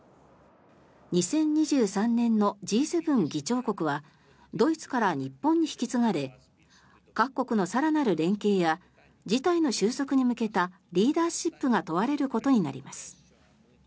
２０２３年のＧ７議長国はドイツから日本に引き継がれ各国の更なる連携や事態の収束に向けたリーダーシップが問われることになります。